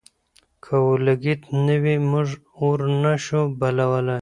که اورلګیت نه وي، موږ اور نه شو بلولی.